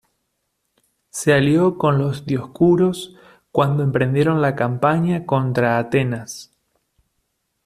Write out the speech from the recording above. Se alió con los Dioscuros cuando emprendieron la campaña contra Atenas.